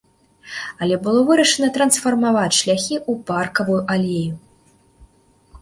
Але было вырашана трансфармаваць шляхі ў паркавую алею.